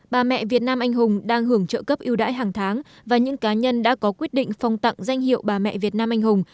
bà mẹ việt nam anh hùng đang hưởng trợ cấp yêu đãi hàng tháng và những cá nhân đã có quyết định phong tặng danh hiệu bà mẹ việt nam anh hùng